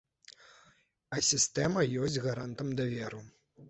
А сістэма ёсць гарантам даверу.